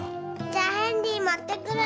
じゃヘンリー持ってくる！